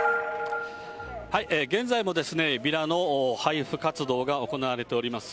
現在もビラの配布活動が行われております。